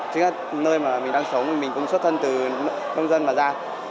chính là nơi mà mình đang sống mình cũng xuất thân từ nông dân và gia